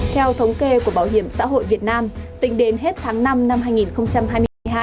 theo thống kê của bảo hiểm xã hội việt nam tính đến hết tháng năm năm hai nghìn hai mươi hai